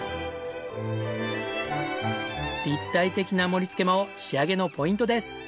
立体的な盛り付けも仕上げのポイントです。